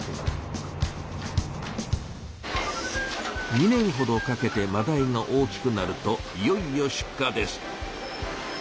２年ほどかけてマダイが大きくなるといよいよ出荷です。